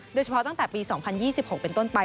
โดยเฉพาะตั้งแต่ปี๒๐๒๖เป็นต้นไป